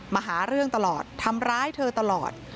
มาหาเรื่องตลอดทำร้ายเธอตลอด